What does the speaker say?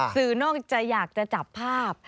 สื่อนอกจะอยากจะจับภาพ